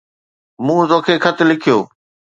مون توکي خط لکيو